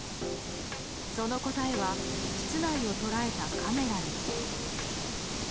その答えは室内を捉えたカメラに。